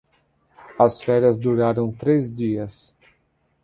As férias duraram três dias.